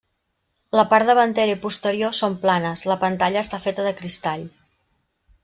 La part davantera i posterior són planes, la pantalla està feta de cristall.